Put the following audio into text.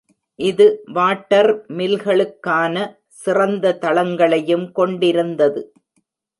இது வாட்டர் மில்களுக்கான சிறந்த தளங்களையும் கொண்டிருந்தது.